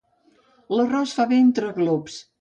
L'arròs fa bé entre glops.